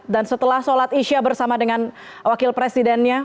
dan setelah sholat isya bersama dengan wakil presidennya